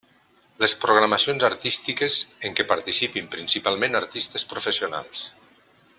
Les programacions artístiques en què participin principalment artistes professionals.